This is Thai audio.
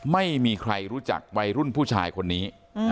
ไม่มีใครรู้จักวัยรุ่นผู้ชายคนนี้